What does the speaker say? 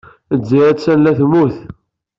Lezzayer attan la tettbeddil.